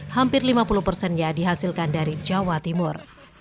hampir lima puluh persennya dihasilkan dari jawa timur